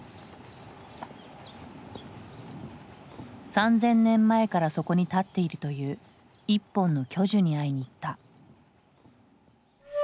３，０００年前からそこに立っているという１本の巨樹に会いに行った。